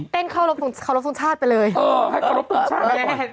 เต้นเค้ารับทรงชาติไปเลย